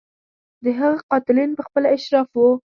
د هغه قاتلین په خپله اشراف وو.